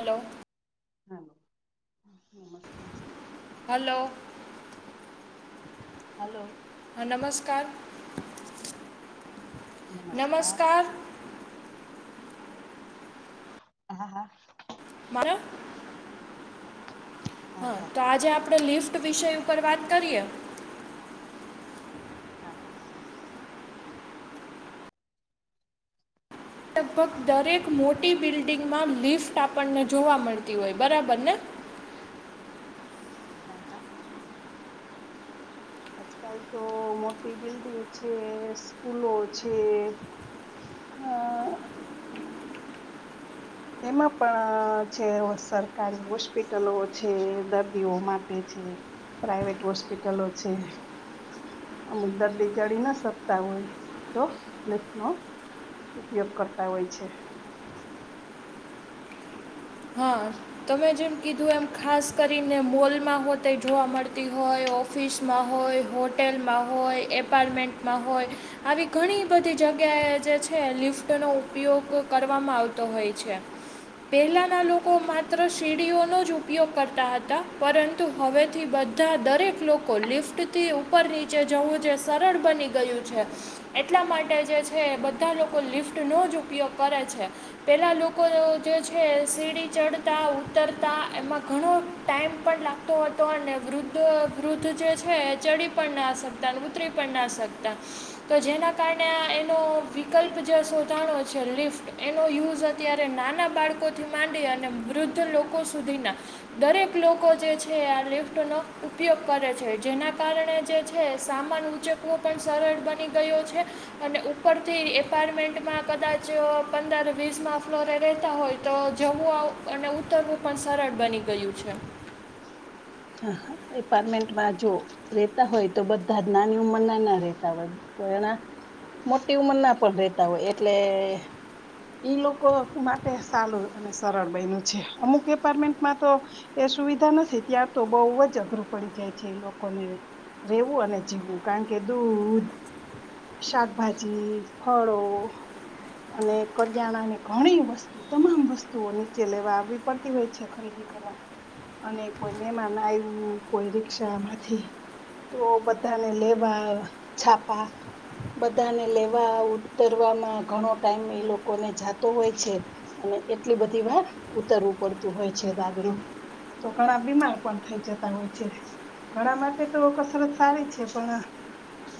Hello [inaudible] hello hello હા નમસ્કાર નમસ્કાર. હા હા. મારા હા તો આજે આપણે લિફ્ટ વિષય ઉપર વાત કરીએ. હા હા, લગભગ દરેક મોટી બિલ્ડિંગમાં લિફ્ટ આપણને જોવા મળતી હોય બરાબર ને. [inaudible] હા હા. આજકાલ તો મોટી બિલ્ડિંગ છે, સ્કૂલો છે, અ [inaudible] એમાં પણ છે, સરકારી હોસ્પિટલો છે, દર્દીઓ માટે છે, પ્રાઈવેટ હોસ્પિટલો છે અમુક દર્દી ચડી ના શકતા હોય તો લિફ નો ઉપયોગ કરતા હોય છે હા તમે જેમ કીધું એમ ખાસ કરીને મોલમાં હો તે જોવા મળતી હોય, ઓફિસમાં હોય હોટે લમાં હોય એપાર્ટમેન્ટમાં હોય આવી ઘણી બધી જગ્યાએ જે છે લિફ્ટ ઉપયોગ કરવામાં આવતો હોય છે પહેલાના લોકો કો માત્ર સીડીઓનો જ ઉપયોગ કરતા હતા પરંતુ હવેથી બધા દરેક લો લિફ્ટ થી ઉપર નીચે જવું જે સરળ બની ગયું છે એટલા માટે જે છે, બધા લોકો લિફ્ટ નો જ ઉપયોગ કરે છે પેલા લોકો જે છે સીડી ચડતા ઉતરતા એમાં ઘણો ટાઈમ પણ લાગતો હતો અને વૃદ્ધ વૃદ્ધ જે છે ચડી પણ ના શકતા ઉતરી પણ ના શકતા તો જેના કારણે એનો વિકલ્પ જે શોધાણો છે લિફ્ટ એનો યુઝ અત્યારે નાના બાળકોથી માંડી અને અને વૃદ્ધ લોકો સુધીના દરેક લોકો જે છે, આ લિફ્ટનો ઉપયોગ કરે છે. જેના કારણે જે છે સામાન ઉંચકવો પણ સરળ બની ગયો છે અને ઉપર થી એપાર્ટમેન્ટમાં કદાચ પંદર વીસ ના ફ્લોરે રહેતા હોય તો જમું અને ઉત્તરવું પણ સરળ બની ગયું છે. હા એપાર્ટમેન્ટમાં જો રેતા હોય તો બધા જ નાની ઉંમર ના ના રેતા હોય કો એના મોટી ઉંમર ના પણ રેતા હોય એટલે ઈ લોકો માટે સારું અને સરળ બન્યું છે અમુક એપાર્ટમેન્ટમાં તો એ સુવિધા નથી ત્યાં તો બહુ જ અઘરું પડી જાય છે, એ લોકોને રહેેવું અને જીવવું કારણ કે દૂધ, શાકભાજી, ફળો, અને કરિયાણા ની ઘણી વસ્તુ તમામ વસ્તુઓ નીચે લેવા આવીવી પડતી હોય છે, ખરીદી કરવા અને કોઈ મહેમાન આવું કોઈ રિકષામાંથી તો બધાને લેવા છાપા બધાને લેવા ઉતરવામાં ઘણો ટાઈમ એ લોકો. ને જાતો હોય છે અને એટલી બ તો ઘણા બીમાર પણ થઈ જતા હોય છે ઘણા માટે તો કસરત સારી છે પણ.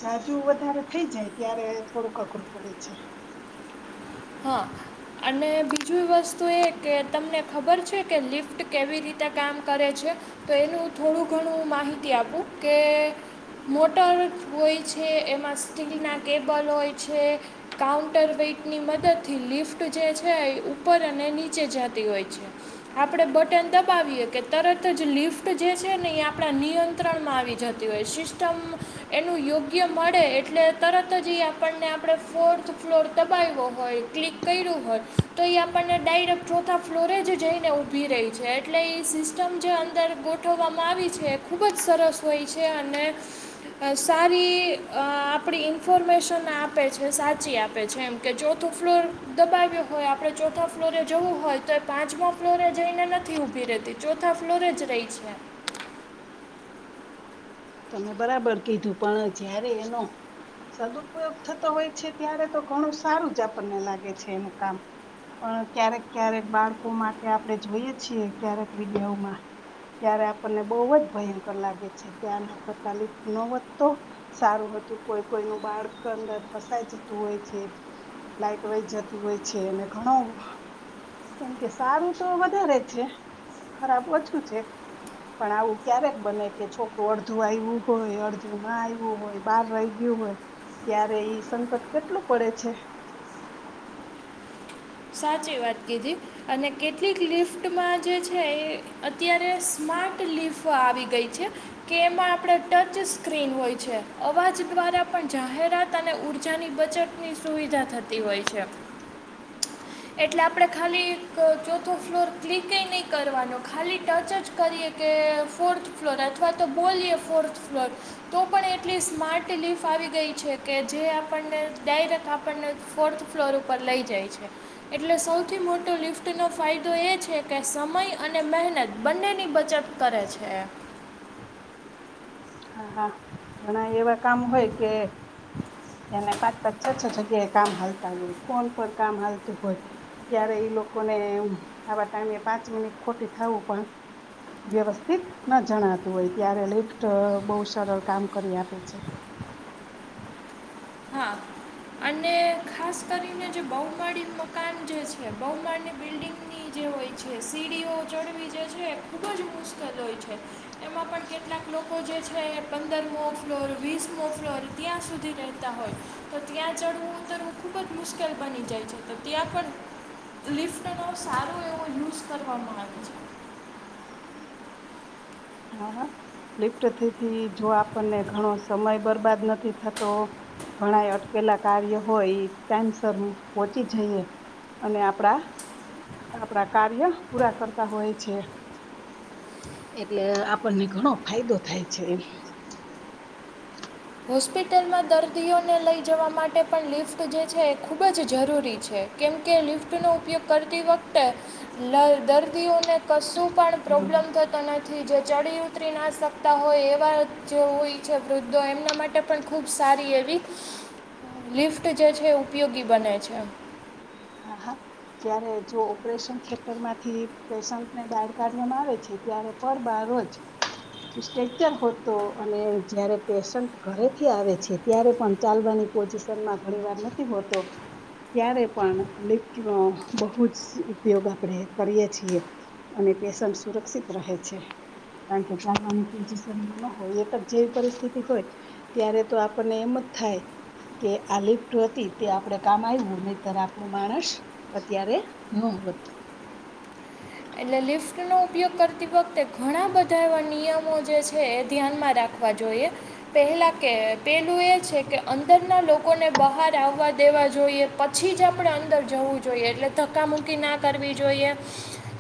જાજુ વધારે થઈ જાય ત્યારે થોડુંક અઘરું પડે છે હા અને બીજું વસ્તુ એ કે તમને ખબર છે કે લિફ્ટ કેવી રીતે કામ કરે છે તો એનું થોડું ઘણું માહિતી આપું કે. મોટર હોય છે એમાં સ્ટીલ ના કેબલ હોય છે કાઉન્ટર વ ટનીમત. લિફ્ટ જે છે એ ઉપર અને નીચે જતી હોય છે આપડે બટન દબાવ કે તરત જ લિફ્ટ જે છે ને એ આપણા નિયંત્રણમાં આવી જતી હોય સિસ્ટમ એનું યોગ્ય મળે એટલે તરત જ એ આપણને આપણે ફોર્થ ફ્લોર દબાવ્યો હોય ક્લિક કર્યું હોય તો એ આપણને ડાયરેક્ટ ચોથા ફ્લોરે જ જઈને ઊભી રહી છે એટલે એ સિસ્ટમ જે અંદર ગોઠવવામાં આવી છે એ ખૂબ જ સરસ હોય છે અને સારી આપણી ઇન્ફોર્મેશન આપે છે સાચી આપે છે એમ કે જો. ચોથો ફ્લોર દબાવ્યો હોય આપણે ચોથા ફ્લોરે જવું હોય તો એ પ પાચમાં ફ્લોરે જઈને નથી ઉભી રતી ચોથા ફ્લોરે જ રહી છે તમે બરાબર કીધું પણ જયારે એનો. સદુપયોગ થતો હોય છે ત્યારે તો ઘણું સારું જ આપણને લાગે છે એનું કામ પણ ક્યારેક ક્યારેક બાળકો માટે આપણે જોઈએ છીએ ક્યારેક વિડિયાઓમાં ત્યારે આપણને બહુ જ ભયંકર લાગે છે કે આના તલીફ ન વધતો સારું હતું કોઈ કોઈ ન બાળક અંદર ફસાય જતું હોય છે લાઈટ વહી જતી હોય છે અને ઘણો કેમ કે સારું તો વધારે છે ખરાબ ઓછું છે. પણ આવું ક્યારેક બને કે છોકરું અડ અડધું આવું હોય અડધું ના આવું હોય બહાર રહી ગયું હોય ક્યારે ઈ સંકટ કેટલું પડે છે [inaudible] સાચી વાત કીધી અને કેટલીક લિફ્ટમાં જે છે એ અત્યારે સ્માં લીફો આવી ગઈ છે કે એમાં આપ ટચ સ્ક્રીન હોય છે અવાજ દ્વારા પણ જાહેરાત અને ઉર્જાની બચતની સુવિધા થતી હોય છે. એટલે આપણે ખાલી ચોથો ફ્લોર ક્લિક એય નહી કરવાનો ખાલી ટચ જ કરીએ કે ફોર્થ ફ્લોર અથવા તો બોલીએ ફોર્થ ફ્લોર તો પણ એટલી સ્માર્ટલી આવી ગઈ છે કે જે આપણને ડાયરેક્ટ આપણને ફોર્થ ફ્લોર ઉપર લઈ જાય છે એટલે સૌથી મોટો લિફ્ટ નો ફાયદો એ છે કે સમય અને મહેનત બંનેની બચત કરે છે હા હા ઘણા એવા કામ હોય કે એને પાંચ પાંચ છ છ છગ્યા કામ હાલતા હોય કોણ કો કામ હાલતું હોય. ત્યારે ઈ લોકોને આવા ટાઈમે પાંચ મિનિટ ખોટી થાવું પણ. વ્યવસ્થિત ન જણાતું હોય ત્યારે લિફ્ટ બહુ સરળ કામ કરી આપે છે. હા અને ખાસ કરીને જે બહુમાળી મકાન જે છે બહુમાળી બિલ્ડિંગની જે. હોય છે સીડીઓ ચડવી જે છે ખૂબ જ મુશ્કેલ હોય છે એમાં પણ કેટલાક લોકો. જે છે પંદર મો ફ્લોર વીસ મો ફ્લોર ત્યાં સુધી રહેતા હોય તો ત્યાં ચઢવું ઉતરવું ખૂબ જ મુશ્કેલ બની જાય છે તો ત્યાં પણ લિફ્ટનો સારો એવો યુઝ કરવામાં આવે છે. હા હા લિફ્ટથી જો આપણને ઘણો સમય બરબાદ નથી થતો ઘણા અટકેલા કાર્ય હોય એ ટાઈમસ હ પોહચી જઈએ અને આપણા આપણા કાર્ય પૂરા કરતા હોય છે એટલે આપણને ઘણો ફાયદો થાય છે એ. હોસ્પિટલમાં દર્દીઓને લઈ જવા માટે પણ લિફ્ટ જે છે એ ખૂબ જ જરૂરી છે કેમ કે લિફ્ટનો ઉપયોગ કરતી વખતે દર્દીઓને કશું પણ હમ પ્રોબ્લમ થતો નથી જે ચડી ઉતરી ના શકતા હોય એવા જે હોય છે વૃદ્ધો એમના માટે પણ ખૂબ સારી એવી લિફ્ટ જે છે ઉપયોગી બને છે. હા હા. જય્યારે જો ઓપરેશન થયેટર માંથી પેશન્ટને બહાર કાઢવામાં આવે છે ત્યારે પરબાર રોજ સ્ટેકચર હતો અને જયારે પેશન્ટ ઘરેથી આવે છે ત્યારે પણ ચાલવાની પોઝિશન માં ઘણી વાર નથી હોતો ત્યારે પણ લિફ્ટ નો બહુ જ ઉપયોગ આપણેે કરીય છીએ. અને પેશન્ટ સુરક્ષિત રહે છે. કારણ કે ચાલવાની પોઝિશન ન હોય એક જ જેવી પરિસ્થિતિ હોય ત્યારે તો આપણને એમ જ થાય કે આ લિફ્ટ હતી તે આપડે કામ આવું નહીતર માણસ અત્યારે ન હોત. એટલે લિફ્ટનો ઉપયોગ કરતી વખતે ઘણા બધા એવા નિયમો જે છે એ ધ્યાનમાં રાખ વા જોઈએ પેહલા પેહલું એ છે કે અંદરના લોકોને બહાર આવવા દેવા જોઈએ પછી જ આપણે અંદર જવું જોઈએ એટલે ધક્કામુકી ના કરવી જોઈએ.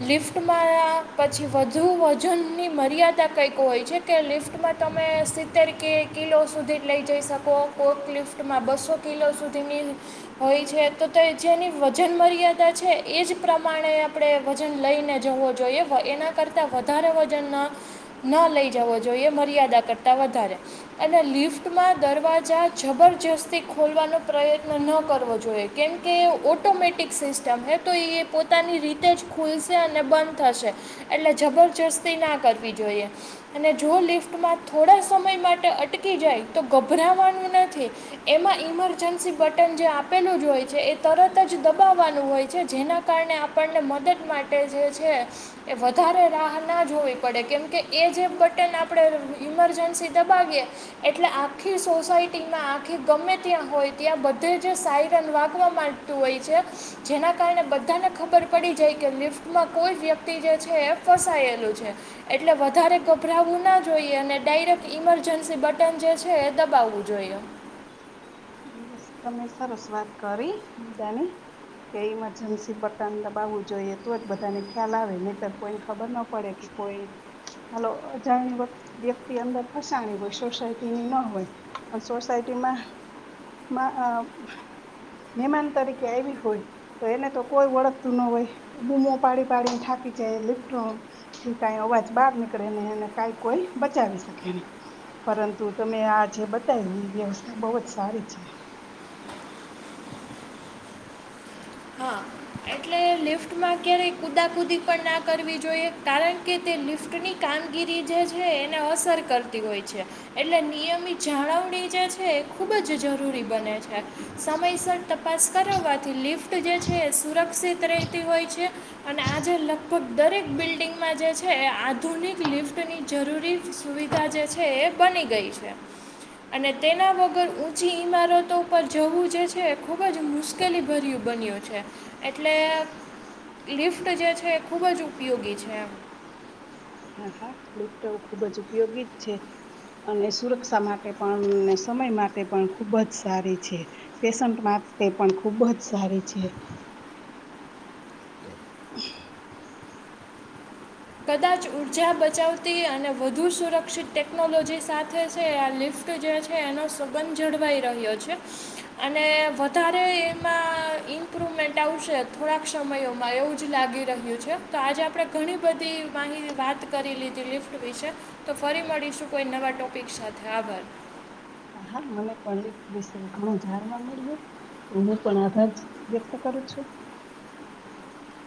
લિફ્ટમાં પછી વધુ વજનની મર્યાદા કંઈક હોય છે કે લિફ્ટમાં તમ તમે સિત્તેર કે કિલો સુધી જ લઈ જઈ શકો કોકલિફ્ટમાં બસો કિલો સુધી ની હોય છે તો જેની વજન મર્યાદા છે એજ પ્રમાણે આપણે વજન લઈને જવું જોઈએ એના કરતા વધારે વજનના ન લઈ જવો જોઈએ મર્યાદા કરતા વધારે અને લિફ્ટમાં દરવાજા જબર જસ્તી ખોલવાનો પ્રયત્ન ન કરવો જોઈએ કેમ કે ઓટોમેટિક સિસ્ટમ હે તો ઇ એ પોતાની રીતે જ ખુલશે અને બંધ થશે એટલે જબરજસ્તી ના કરવી જોઈએ અને જો લિફ્ટ થોડા સમય માટે અટકી જાય તો ગભરાવાનું નથી એમાં ઈમરજન્સી બટન જે આપેલું જ હોય છે એ તરત જ દબાવવાનું હોય છે જેના કારણે આપણને મદદ માટે છે એ વધારે રાહ ના જોવી પડે કેમકે એ જે બટન આપણે ઇમરજન્સી દબાવીએ એટલે આખીર સોસાયટીમાં આખી ગમે ત્યાં હોય ત્યાં બ બધે જ સાયરન વાગવા માંગતું હોય છે જેના કારણે બધાને ખબર પડી. જાય કે લિફ્ટમાં કોઈ વ્યક્તિ જે છે એ ફસાયેલું છે એટલે વધારે ગભરાવું ના જોઈએ અને ડાયરેક્ટ ઇમરજન્સી બટન જે છે એ દબાવવું જોઈએ. તમે સરસ વાત કરી મુદ્દાની કે ઈમરજન્સી બતન દબાવવું જોઈએ તો જ બધાને ખ્યાલ આવે નહીતર કોઈને ખબર ના પડે કે કોઈ હાલો અજાણી વ વ્યક્તિ અંદર ફસાણી હોય સોસાયટીની ના હોય પણ સોસાયટી તેમાં માં અ મહેમાન તરીકે આવી હોય તો એને તો કોઈ ઓળખતું ન હોય બૂમો પાડી પાડીને થા લિફ્ટથી કઇ અવાજ બહાર નીકળેને કાઈ કોઈ બચાવી શકે નહી. પરંતુ તમે આ જે બતાવી એ વ્યવસ્થા બહુ જ સારી છે. હા એટલે લિફ્ટમાં ક્યારેય કુદા કુદી પણ ના કરવી જોઈએ કારણ કે તે લિફ્ટની કામગીરી જે છે એને અસર કરતી હોય છે એટલે નિયમિત જાળવણી જે છે ખૂબ જ જરૂરી બને છે સમયસર તપાસ કરાવવાથી લિફ્ટ જે છે એ સુરક્ષિત રહેતી હોય છે અને આજે લગભગ દરેક બિલ્ડિંગમાં જે છે એ આધુનિક લિફ્ટની જરૂરી સુવિધા જે છે એ બની ગઈ. એ છે. અને તેના વગર ઊંચી ઈમારતો પર જવું જે છે એ ખુબ જ મુશ્કેલી ભર્યું બન્યો છે. એટલે લિફ્ટ જે છે એ ખૂબ જ ઉપયોગી છે એમ હા હા લેપટોપ ખુબ જ ઉપયોગી જ છે. અને સુરક્ષા માટે પણ ને સમય માટે પણ ખુબજ સારી છે પેશન્ટ માટે તે પણ ખુબ જ સારી છે. [inaudible] કદાચ ઉર્જા બચાવતી અને વધુ સુરક્ષિત ટેકનોલોજી સાથે છે આ લિફ્ટ ફ્ટ જે છે એનો સબંધ જળવાઈ રહ્યો છે અને વધારે એમાં ઇમ્પ્રુવમેન્ટ આવશે થોડાક સમયોમાં એવું જ લાગી રહ્યું છે તો આજે આપણે ઘણી બધી મા વાત કરી લીધી લિફ્ટ વિશે તો ફરી મળીશું કોઈ નવા ટોપિક સાથે આ ખબર હા હા મને પણ લિફ્ટ વિષ ઘણું જાણવા મળ્યું તો હું પણ આભાજ વ્યક્ત કરું છું. [inaudible]